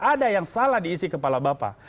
ada yang salah diisi kepala bapak